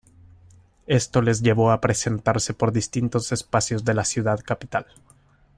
Esto les llevó a presentarse por distintos espacios de la ciudad capital.